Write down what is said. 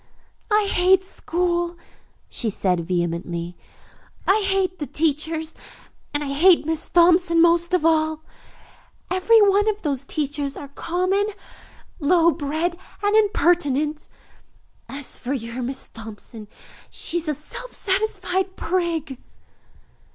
"I hate school," she said vehemently. "I hate the teachers, and I hate Miss Thompson most of all. Every one of those teachers are common, low bred and impertinent. As for your Miss Thompson, she is a self satisfied prig."